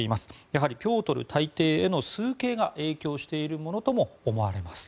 やはりピョートル大帝への崇敬が影響しているものとも思われます。